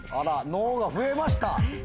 Ｎｏが増えました。